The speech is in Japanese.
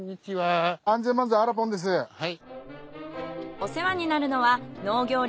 はい。